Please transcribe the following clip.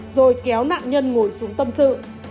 rồi kéo nạn nhân ngồi xuống tâm sự